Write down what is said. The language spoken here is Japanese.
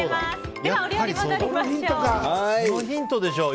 ではお料理戻りましょう。